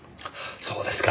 そうですか。